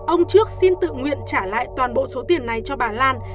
ông trước xin tự nguyện trả lại toàn bộ số tiền này cho bà lan